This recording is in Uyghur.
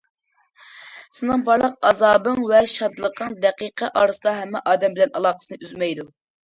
سېنىڭ بارلىق ئازابىڭ ۋە شادلىقىڭ دەقىقە ئارىسىدا ھەممە ئادەم بىلەن ئالاقىسىنى ئۈزمەيدۇ.